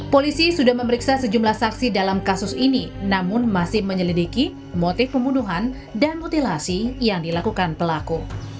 polisi sudah memeriksa sejumlah saksi dalam kasus ini namun masih menyelidiki motif pembunuhan dan mutilasi yang dilakukan pelaku